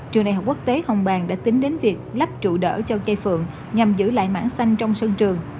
trường đại học quốc tế hồng bàng đã tính đến việc lắp trụ đỡ cho chai phượng nhằm giữ lại mảng xanh trong sân trường